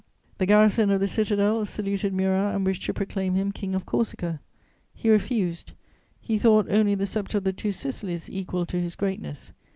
The garrison of the citadel saluted Murat and wished to proclaim him King of Corsica: he refused; he thought only the sceptre of the Two Sicilies equal to his greatness.